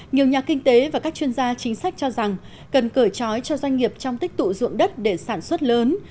nhiều nhà kinh tế và các chuyên gia chính sách cho rằng cần cởi trói cho doanh nghiệp trong tích tụ dụng đất để sản xuất lớn